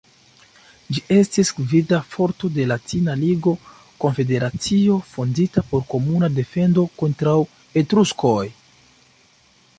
Ĝi estis gvida forto de Latina ligo, konfederacio fondita por komuna defendo kontraŭ Etruskoj.